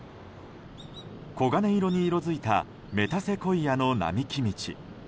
黄金色に色づいたメタセコイアの並木道。